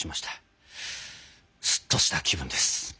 すっとした気分です。